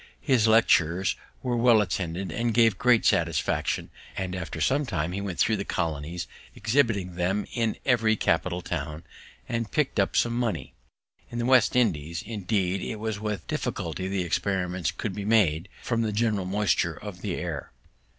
His lectures were well attended, and gave great satisfaction; and after some time he went thro' the colonies, exhibiting them in every capital town, and pick'd up some money. In the West India islands, indeed, it was with difficulty the experiments could be made, from the general moisture of the air.